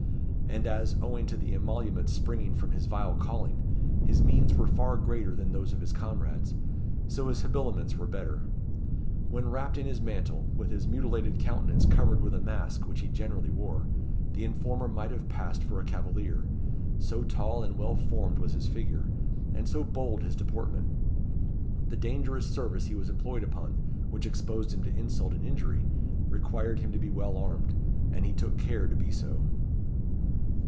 And as, owing to the emoluments springing from his vile calling, his means were far greater than those of his comrades; so his habiliments were better. When wrapped in his mantle, with his mutilated countenance covered with a mask which he generally wore, the informer might have passed for a cavalier; so tall and well formed was his figure, and so bold his deportment. The dangerous service he was employed upon, which exposed him to insult and injury, required him to be well armed; and he took care to be so.